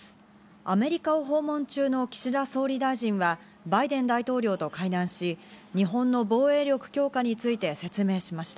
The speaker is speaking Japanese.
アメリカを訪問中の岸田総理大臣はバイデン大統領と会談し、日本の防衛力強化について説明しました。